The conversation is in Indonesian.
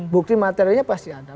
bukti materianya pasti ada